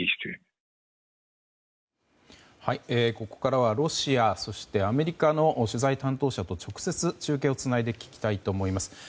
ここからはロシアそしてアメリカの取材担当者と直接、中継をつないで聞きたいと思います。